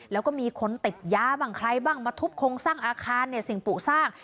แล้วก็มีคนติดยาบ้างใครบ้างมาทุบโครงสร้างอาคารเนี่ยสิ่งปลูกสร้าง